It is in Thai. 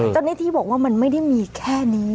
เจ้าหน้าที่บอกว่ามันไม่ได้มีแค่นี้